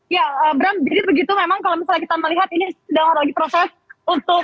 ya bram jadi begitu memang kalau misalnya kita melihat ini sedang ada lagi proses untuk